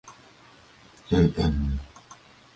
永遠に